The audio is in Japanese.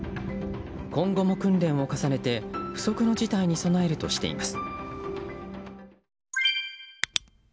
今後も訓練を重ねて不測の事態に備えるとしています。